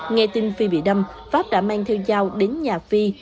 nghe tin phi bị đâm pháp đã mang theo dao đến nhà phi